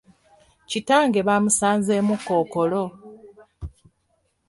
Kitange bamusanzeemu kkookolo.